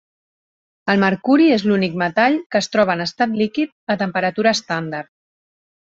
El mercuri és l’únic metall que es troba en estat líquid a temperatura estàndard.